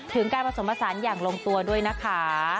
ถึงการผสมผสานอย่างลงตัวด้วยนะคะ